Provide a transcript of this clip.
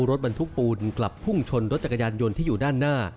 รถบรรทุกปูนกลับพุ่งชนรถจักรยานยนต์ที่อยู่ด้านหน้า